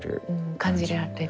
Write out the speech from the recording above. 感じでやってる。